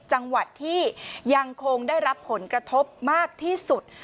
จังหวัดที่ยังคงได้รับผลกระทบมากที่สุด